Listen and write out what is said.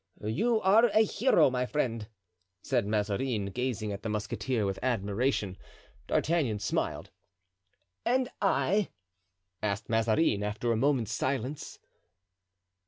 "You are a hero, my friend," said Mazarin, gazing at the musketeer with admiration. D'Artagnan smiled. "And I?" asked Mazarin, after a moment's silence.